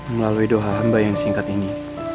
melalui doha hamba yang singkat ini